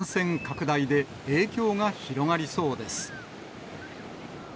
感染拡大で影響が広がりそうです。